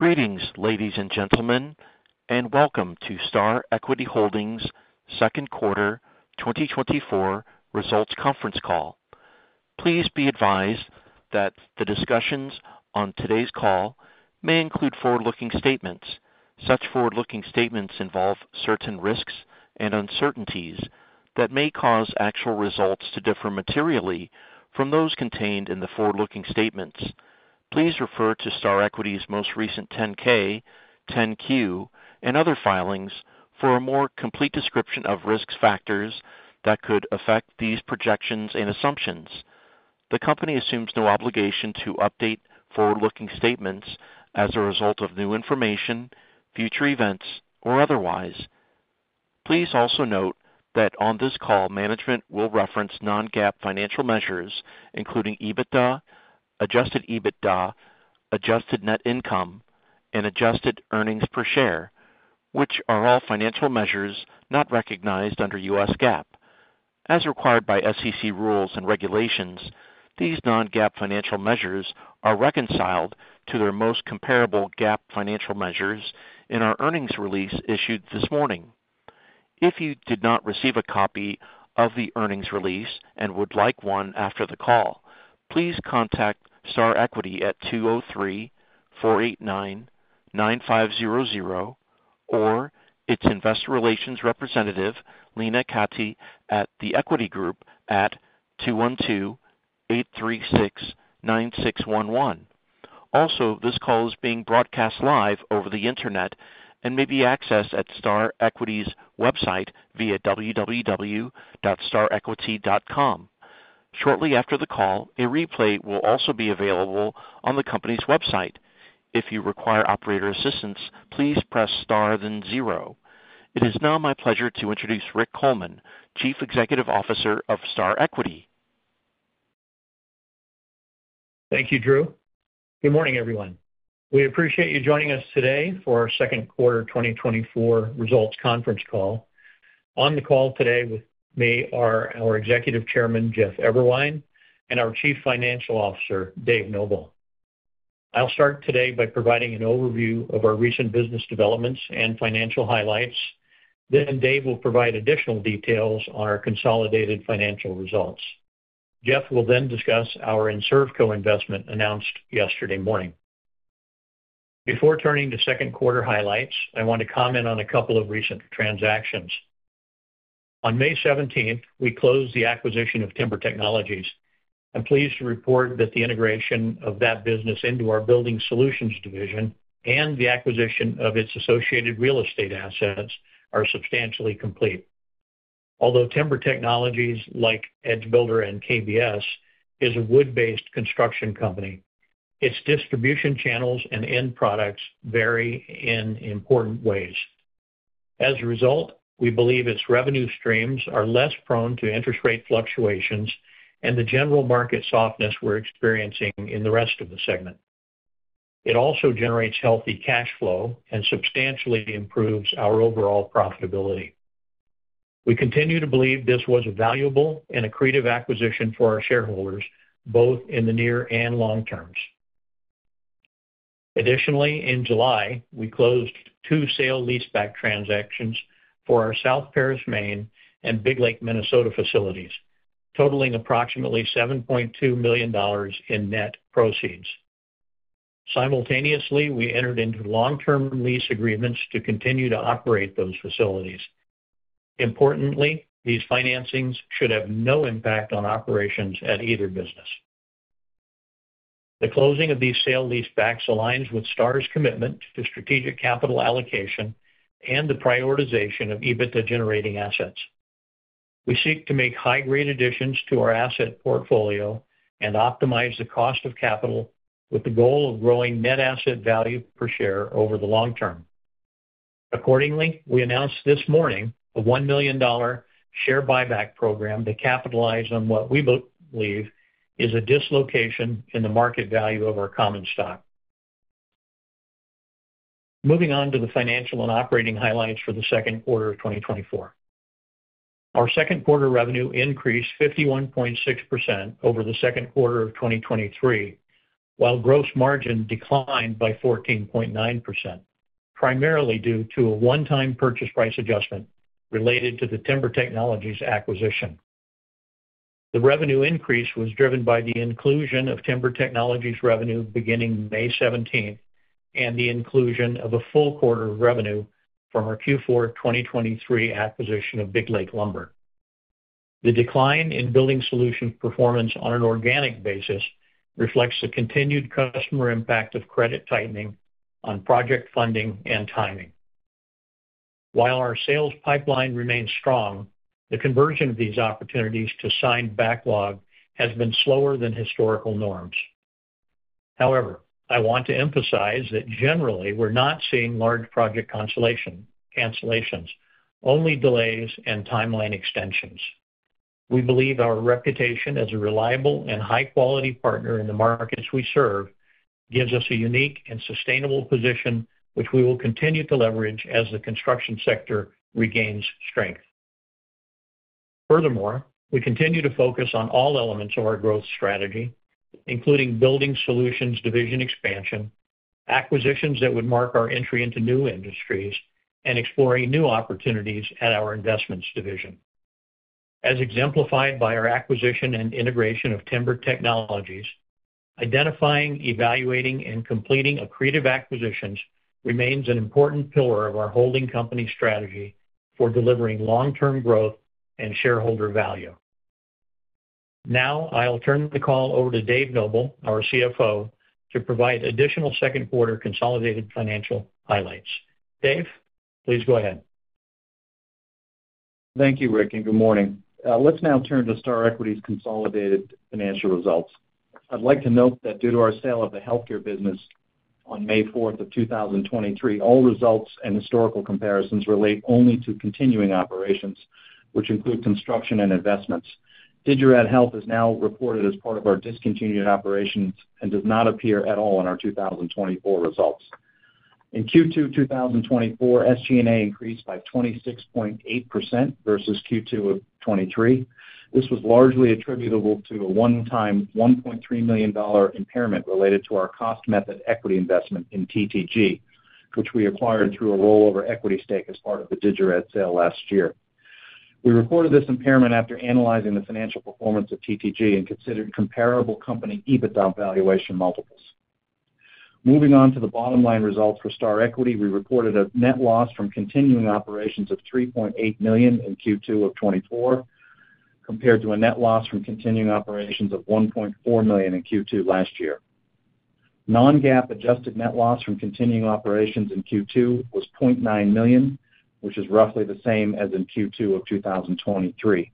Greetings, ladies and gentlemen, and welcome to Star Equity Holdings second quarter 2024 results conference call. Please be advised that the discussions on today's call may include forward-looking statements. Such forward-looking statements involve certain risks and uncertainties that may cause actual results to differ materially from those contained in the forward-looking statements. Please refer to Star Equity's most recent 10-K, 10-Q, and other filings for a more complete description of risk factors that could affect these projections and assumptions. The company assumes no obligation to update forward-looking statements as a result of new information, future events, or otherwise. Please also note that on this call, management will reference non-GAAP financial measures, including EBITDA, adjusted EBITDA, adjusted net income, and adjusted earnings per share, which are all financial measures not recognized under US GAAP. As required by SEC rules and regulations, these non-GAAP financial measures are reconciled to their most comparable GAAP financial measures in our earnings release issued this morning. If you did not receive a copy of the earnings release and would like one after the call, please contact Star Equity at 203-489-9500, or its investor relations representative, Lena Cati, at The Equity Group at 212-836-9611. Also, this call is being broadcast live over the internet and may be accessed at Star Equity's website via www.starequity.com. Shortly after the call, a replay will also be available on the company's website. If you require operator assistance, please press star, then zero. It is now my pleasure to introduce Richard Coleman, Chief Executive Officer of Star Equity. Thank you, Drew. Good morning, everyone. We appreciate you joining us today for our second quarter 2024 results conference call. On the call today with me are our Executive Chairman, Jeffrey Eberwein, and our Chief Financial Officer, David Noble. I'll start today by providing an overview of our recent business developments and financial highlights. Then Dave will provide additional details on our consolidated financial results. Jeff will then discuss our Enservco investment announced yesterday morning. Before turning to second quarter highlights, I want to comment on a couple of recent transactions. On May seventeenth, we closed the acquisition of Timber Technologies. I'm pleased to report that the integration of that business into our Building Solutions division and the acquisition of its associated real estate assets are substantially complete. Although Timber Technologies, like EdgeBuilder and KBS, is a wood-based construction company, its distribution channels and end products vary in important ways. As a result, we believe its revenue streams are less prone to interest rate fluctuations and the general market softness we're experiencing in the rest of the segment. It also generates healthy cash flow and substantially improves our overall profitability. We continue to believe this was a valuable and accretive acquisition for our shareholders, both in the near and long terms. Additionally, in July, we closed two sale leaseback transactions for our South Paris, Maine and Big Lake, Minnesota facilities, totaling approximately $7.2 million in net proceeds. Simultaneously, we entered into long-term lease agreements to continue to operate those facilities. Importantly, these financings should have no impact on operations at either business. The closing of these sale leasebacks aligns with Star's commitment to strategic capital allocation and the prioritization of EBITDA-generating assets. We seek to make high-grade additions to our asset portfolio and optimize the cost of capital with the goal of growing net asset value per share over the long term. Accordingly, we announced this morning a $1 million share buyback program to capitalize on what we believe is a dislocation in the market value of our common stock. Moving on to the financial and operating highlights for the second quarter of 2024. Our second quarter revenue increased 51.6% over the second quarter of 2023, while gross margin declined by 14.9%, primarily due to a one-time purchase price adjustment related to the Timber Technologies acquisition. The revenue increase was driven by the inclusion of Timber Technologies revenue beginning May 17, and the inclusion of a full quarter of revenue from our Q4 2023 acquisition of Big Lake Lumber. The decline in Building Solutions performance on an organic basis reflects the continued customer impact of credit tightening on project funding and timing. While our sales pipeline remains strong, the conversion of these opportunities to signed backlog has been slower than historical norms. However, I want to emphasize that generally, we're not seeing large project cancellations, only delays and timeline extensions. We believe our reputation as a reliable and high-quality partner in the markets we serve gives us a unique and sustainable position, which we will continue to leverage as the construction sector regains strength.... Furthermore, we continue to focus on all elements of our growth strategy, including Building Solutions division expansion, acquisitions that would mark our entry into new industries, and exploring new opportunities at our Investments division. As exemplified by our acquisition and integration of Timber Technologies, identifying, evaluating, and completing accretive acquisitions remains an important pillar of our holding company strategy for delivering long-term growth and shareholder value. Now, I'll turn the call over to Dave Noble, our CFO, to provide additional second quarter consolidated financial highlights. Dave, please go ahead. Thank you, Rick, and good morning. Let's now turn to Star Equity's consolidated financial results. I'd like to note that due to our sale of the healthcare business on May 4, 2023, all results and historical comparisons relate only to continuing operations, which include construction and investments. Digirad Health is now reported as part of our discontinued operations and does not appear at all in our 2024 results. In Q2 2024, SG&A increased by 26.8% versus Q2 of 2023. This was largely attributable to a one-time $1.3 million impairment related to our cost method equity investment in TTG, which we acquired through a rollover equity stake as part of the Digirad sale last year. We reported this impairment after analyzing the financial performance of TTG and considered comparable company EBITDA valuation multiples. Moving on to the bottom line results for Star Equity, we reported a net loss from continuing operations of $3.8 million in Q2 of 2024, compared to a net loss from continuing operations of $1.4 million in Q2 last year. Non-GAAP adjusted net loss from continuing operations in Q2 was $0.9 million, which is roughly the same as in Q2 of 2023.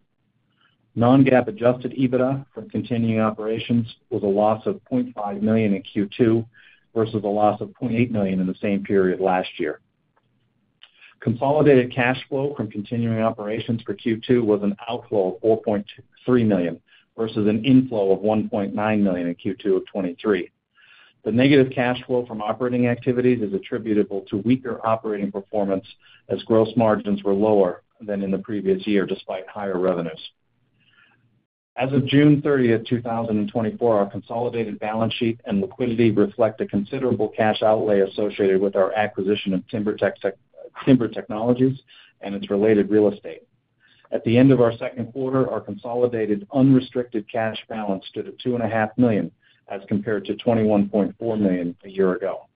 Non-GAAP adjusted EBITDA from continuing operations was a loss of $0.5 million in Q2, versus a loss of $0.8 million in the same period last year. Consolidated cash flow from continuing operations for Q2 was an outflow of $4.3 million, versus an inflow of $1.9 million in Q2 of 2023. The negative cash flow from operating activities is attributable to weaker operating performance, as gross margins were lower than in the previous year, despite higher revenues. As of June 30, 2024, our consolidated balance sheet and liquidity reflect a considerable cash outlay associated with our acquisition of Timber Technologies and its related real estate. At the end of our second quarter, our consolidated unrestricted cash balance stood at $2.5 million, as compared to $21.4 million a year ago.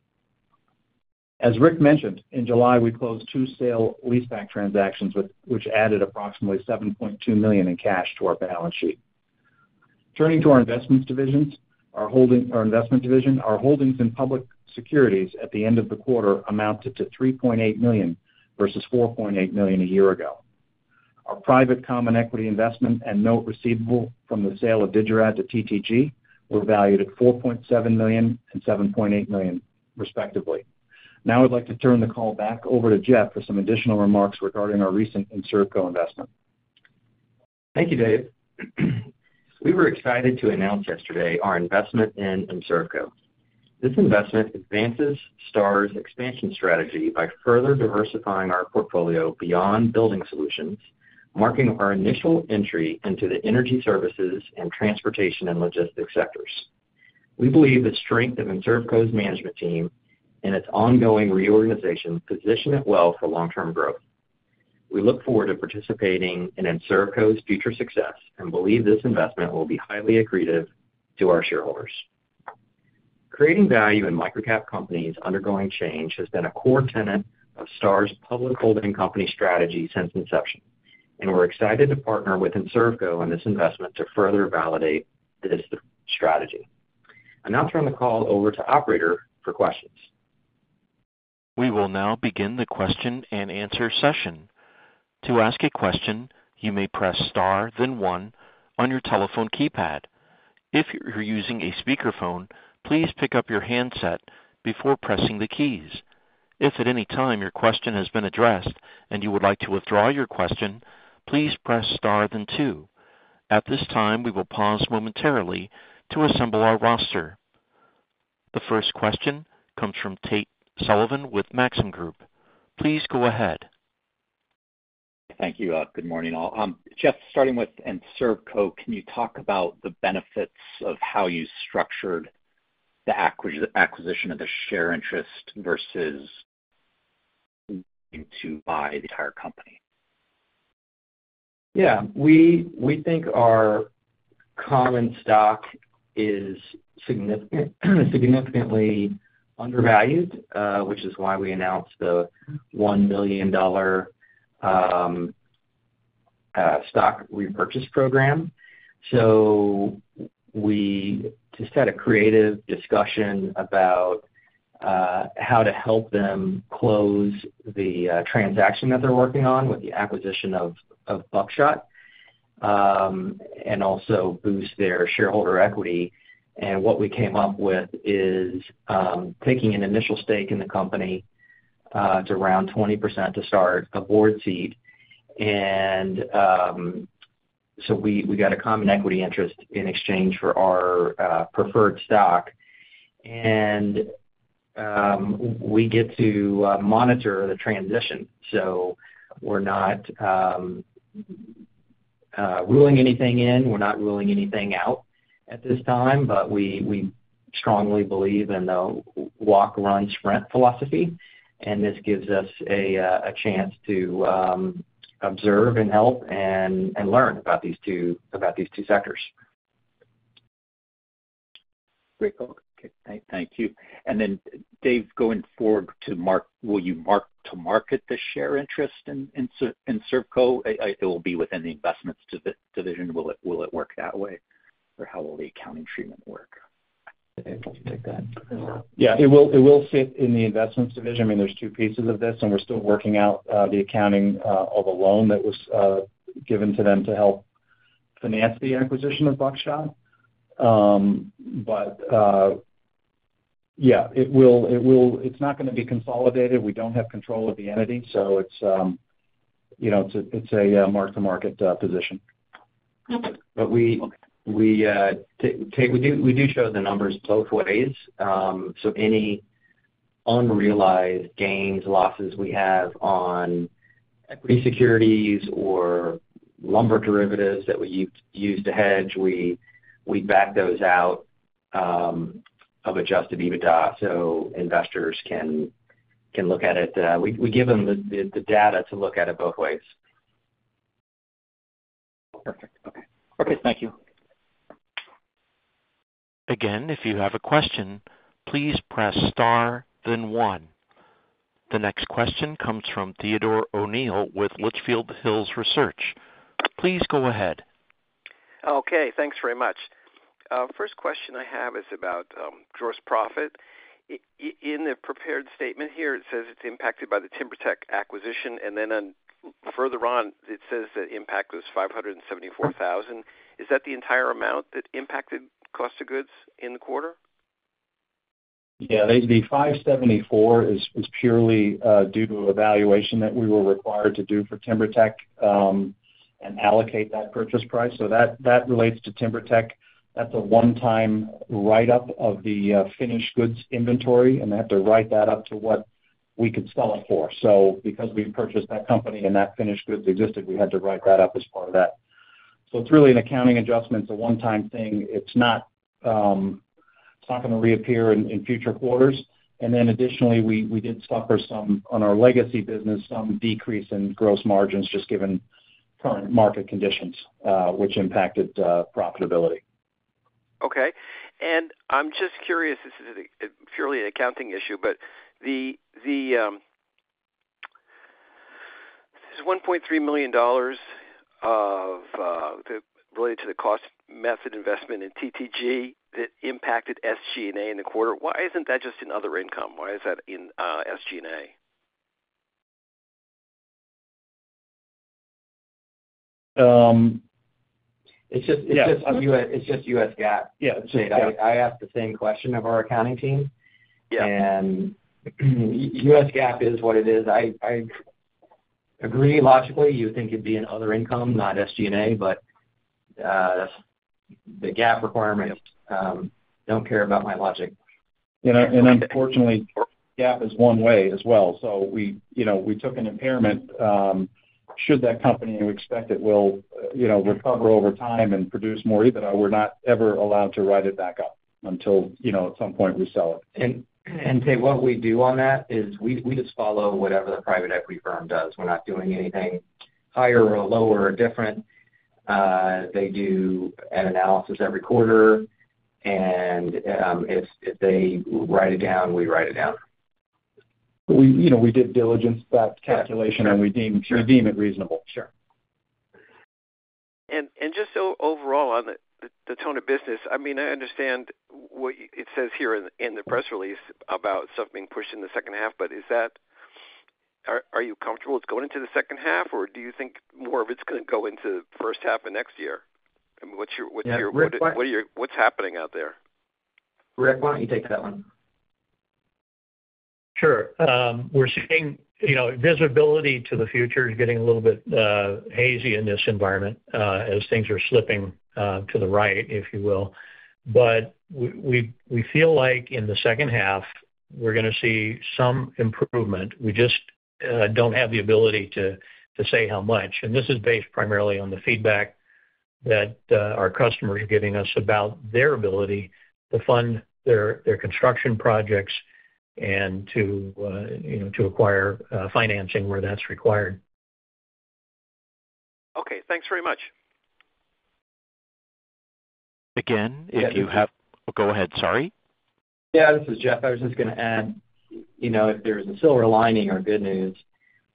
As Rick mentioned, in July, we closed two sale leaseback transactions which added approximately $7.2 million in cash to our balance sheet. Turning to our Investments division, our holdings in public securities at the end of the quarter amounted to $3.8 million, versus $4.8 million a year ago. Our private common equity investment and note receivable from the sale of Digirad to TTG were valued at $4.7 million and $7.8 million, respectively. Now, I'd like to turn the call back over to Jeff for some additional remarks regarding our recent Enservco investment. Thank you, Dave. We were excited to announce yesterday our investment in Enservco. This investment advances Star's expansion strategy by further diversifying our portfolio beyond Building Solutions, marking our initial entry into the energy services and transportation and logistics sectors. We believe the strength of Enservco's management team and its ongoing reorganization position it well for long-term growth. We look forward to participating in Enservco's future success and believe this investment will be highly accretive to our shareholders. Creating value in microcap companies undergoing change has been a core tenet of Star's public holding company strategy since inception, and we're excited to partner with Enservco on this investment to further validate this strategy. I'll now turn the call over to operator for questions. We will now begin the question and answer session. To ask a question, you may press star then one on your telephone keypad. If you're using a speakerphone, please pick up your handset before pressing the keys. If at any time your question has been addressed and you would like to withdraw your question, please press star then two. At this time, we will pause momentarily to assemble our roster. The first question comes from Tate Sullivan with Maxim Group. Please go ahead. Thank you. Good morning, all. Jeff, starting with Enservco, can you talk about the benefits of how you structured the acquisition of the share interest versus to buy the entire company? Yeah. We think our common stock is significantly undervalued, which is why we announced the $1 million stock repurchase program. So we just had a creative discussion about how to help them close the transaction that they're working on with the acquisition of Buckshot and also boost their shareholder equity. And what we came up with is taking an initial stake in the company to around 20% to start a board seat. And so we got a common equity interest in exchange for our preferred stock. We get to monitor the transition, so we're not ruling anything in, we're not ruling anything out at this time. But we strongly believe in the walk, run, sprint philosophy, and this gives us a chance to observe and help and learn about these two sectors. Great. Okay, thank you. And then Dave, going forward, will you mark to market the share interest in Servco? It will be within the investments division. Will it work that way, or how will the accounting treatment work? Dave, do you want to take that? Yeah, it will, it will fit in the investments division. I mean, there's 2 pieces of this, and we're still working out the accounting of a loan that was given to them to help finance the acquisition of Buckshot. But yeah, it will, it will. It's not gonna be consolidated. We don't have control of the entity, so it's you know, it's a, it's a mark-to-market position. Okay. But we- Okay. We do show the numbers both ways. So any unrealized gains, losses we have on equity securities or lumber derivatives that we use to hedge, we back those out of Adjusted EBITDA, so investors can look at it. We give them the data to look at it both ways. Perfect. Okay. Okay, thank you. Again, if you have a question, please press star, then one. The next question comes from Theodore O'Neill with Litchfield Hills Research. Please go ahead. Okay, thanks very much. First question I have is about gross profit. In the prepared statement here, it says it's impacted by the Timber Technologies acquisition, and then, further on, it says the impact was $574,000. Is that the entire amount that impacted cost of goods in the quarter? Yeah, the 574 is purely due to a valuation that we were required to do for Timber Technologies, and allocate that purchase price. So that relates to Timber Technologies. That's a one-time write-up of the finished goods inventory, and they have to write that up to what we could sell it for. So because we purchased that company and that finished goods existed, we had to write that up as part of that. So it's really an accounting adjustment. It's a one-time thing. It's not gonna reappear in future quarters. And then additionally, we did suffer some decrease in gross margins on our legacy business, just given current market conditions, which impacted profitability. Okay. And I'm just curious, this is purely an accounting issue, but this is $1.3 million of related to the cost method investment in TTG that impacted SG&A in the quarter. Why isn't that just in other income? Why is that in SG&A? It's just- Yeah. It's just, it's just US GAAP. Yeah. I asked the same question of our accounting team. Yeah. US GAAP is what it is. I agree, logically, you think it'd be in other income, not SG&A, but the GAAP requirement don't care about my logic. You know, and unfortunately, GAAP is one way as well. So we, you know, we took an impairment, should that company, we expect it will, you know, recover over time and produce more EBITDA, we're not ever allowed to write it back up until, you know, at some point, we sell it. Dave, what we do on that is we just follow whatever the private equity firm does. We're not doing anything higher or lower or different. They do an analysis every quarter, and if they write it down, we write it down. We, you know, we did diligence, that calculation- Sure. and we deem, we deem it reasonable. Sure. Just overall on the tone of business, I mean, I understand what it says here in the press release about stuff being pushed in the second half, but is that... Are you comfortable it's going into the second half, or do you think more of it's gonna go into the first half of next year? I mean, what's your- Yeah. What's happening out there? Rick, why don't you take that one? Sure. We're seeing, you know, visibility to the future is getting a little bit hazy in this environment as things are slipping to the right, if you will. But we feel like in the second half, we're gonna see some improvement. We just don't have the ability to say how much, and this is based primarily on the feedback that our customers are giving us about their ability to fund their construction projects and to, you know, to acquire financing where that's required. Okay, thanks very much. Again, if you have... Go ahead. Sorry. Yeah, this is Jeff. I was just gonna add, you know, if there's a silver lining or good news,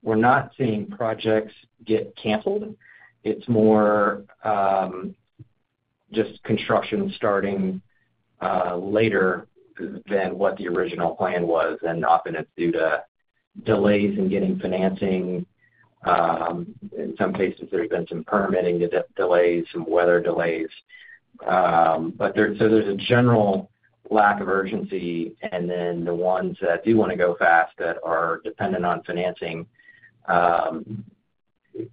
we're not seeing projects get canceled. It's more, just construction starting later than what the original plan was, and often it's due to delays in getting financing. In some cases, there's been some permitting delays, some weather delays. But there, so there's a general lack of urgency, and then the ones that do want to go fast that are dependent on financing,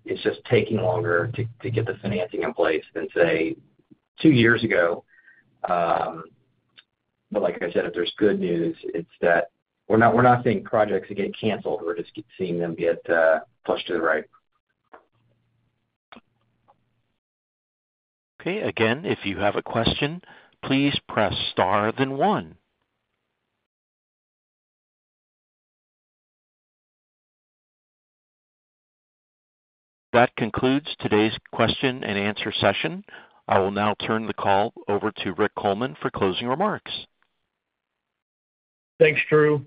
it's just taking longer to get the financing in place than, say, two years ago. But like I said, if there's good news, it's that we're not, we're not seeing projects get canceled. We're just keep seeing them get pushed to the right. Okay. Again, if you have a question, please press star, then one. That concludes today's question and answer session. I will now turn the call over to Rick Coleman for closing remarks. Thanks, Drew.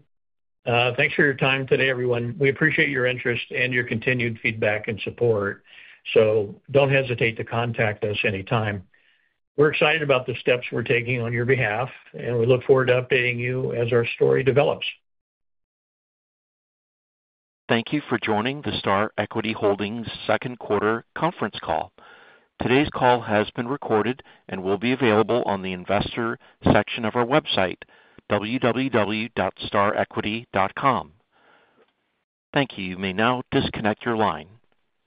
Thanks for your time today, everyone. We appreciate your interest and your continued feedback and support, so don't hesitate to contact us anytime. We're excited about the steps we're taking on your behalf, and we look forward to updating you as our story develops. Thank you for joining the Star Equity Holdings second quarter conference call. Today's call has been recorded and will be available on the investor section of our website, www.starequity.com. Thank you. You may now disconnect your line.